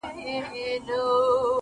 د زهرو تر جام تریخ دی، زورور تر دوزخونو.